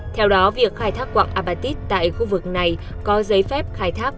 theo đó việc khai thác quặng apatit tại khu vực này có giấy phép khai thác